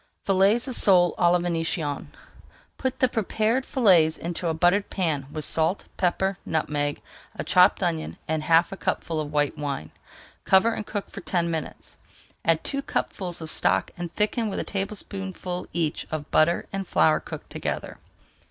FILLETS OF SOLE À LA VÉNITIENNE I Put the prepared fillets into a buttered pan [Page 393] with salt, pepper, nutmeg, a chopped onion, and half a cupful of white wine. Cover and cook for ten minutes. Add two cupfuls of stock and thicken with a tablespoonful each of butter and flour cooked together.